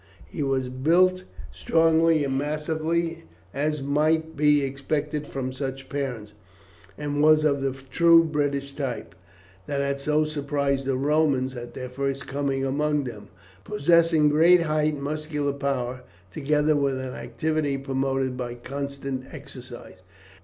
He was built strongly and massively, as might be expected from such parents, and was of the true British type, that had so surprised the Romans at their first coming among them, possessing great height and muscular power, together with an activity promoted by constant exercise.